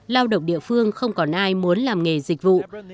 lao động địa phương không còn ai muốn làm nghề dịch vụ